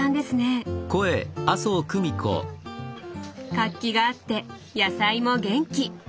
活気があって野菜も元気！